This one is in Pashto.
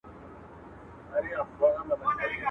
o دووسه چي يو وار ورسې، نو بيا ولي مرور سې؟